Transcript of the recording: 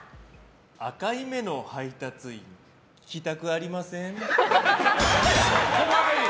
赤い目の配達員聞きたくありません？